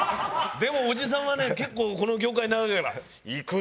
でもおじさんはね結構この業界長いから。